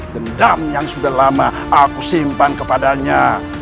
dendam yang sudah lama aku simpan kepadanya